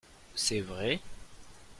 C'est vrai ?